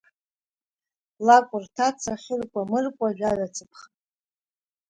Лакәырҭаца, хьыркәа-мыркәа жәаҩа цаԥха.